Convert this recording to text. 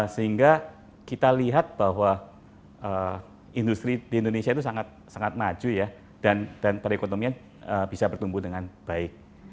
sehingga kita lihat bahwa industri di indonesia itu sangat maju ya dan perekonomian bisa bertumbuh dengan baik